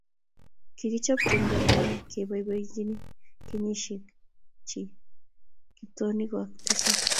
kikichob tumdo neoo keboibochini kenyisiekchin Kiptooonwokik tisab